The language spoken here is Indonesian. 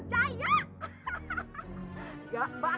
delapan ditambah sembilan